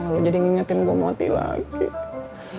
lo jadi ngingetin gue mati lagi